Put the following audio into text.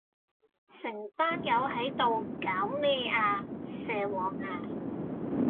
成班友喺度搞咩呀？蛇王呀？